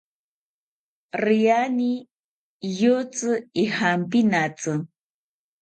Iriani riyotzi ijankinatzi